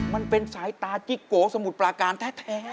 มันเป็นสายตาจิ๊กโกสมุทรปลาการแท้